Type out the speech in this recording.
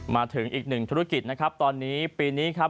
มาถึงอีกหนึ่งธุรกิจนะครับตอนนี้ปีนี้ครับ